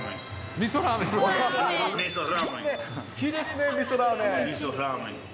みそラーメン。